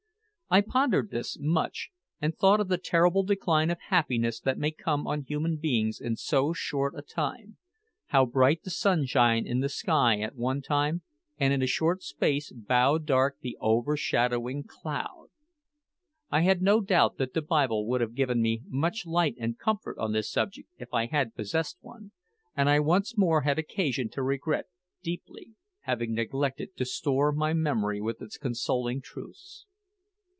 I pondered this much, and thought of the terrible decline of happiness that may come on human beings in so short a time; how bright the sunshine in the sky at one time, and in a short space bow dark the overshadowing cloud! I had no doubt that the Bible would have given me much light and comfort on this subject if I had possessed one, and I once more had occasion to regret deeply having neglected to store my memory with its consoling truths.